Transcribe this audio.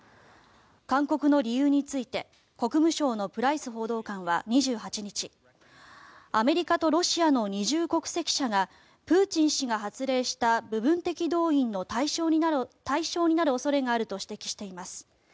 勧告の理由について国務省のプライス報道官は２８日アメリカとロシアの二重国籍者がプーチン氏が発令した部分的動員の対象になる恐れがあると指摘しています。